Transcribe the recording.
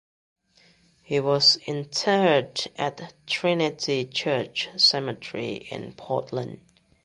He was interred at Trinity Church Cemetery in Portland.